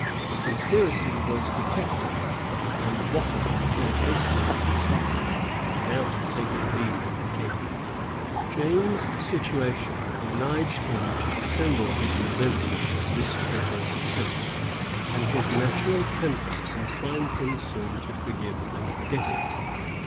The conspiracy was detected; and Wotton fled hastily from Scotland, without taking leave of the king.[*] James's situation obliged him to dissemble his resentment of this traitorous attempt, and his natural temper inclined him soon to forgive and forget it.